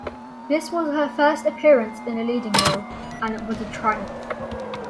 This was her first appearance in a leading role, and it was a triumph.